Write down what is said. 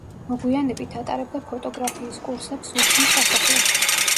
მოგვიანებით, ატარებდა ფოტოგრაფიის კურსებს სულთნის სასახლეში.